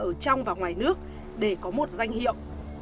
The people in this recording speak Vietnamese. ở trong và ngoài nước để có một danh hiệu